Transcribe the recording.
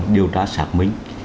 điều trả sạc minh